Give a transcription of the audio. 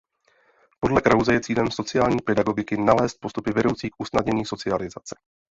Podle Krause je cílem sociální pedagogiky nalézt postupy vedoucí k usnadnění socializace.